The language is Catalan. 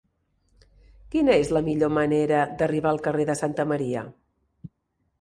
Quina és la millor manera d'arribar al carrer de Santa Maria?